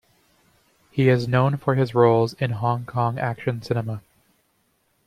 He is known for his roles in Hong Kong action cinema.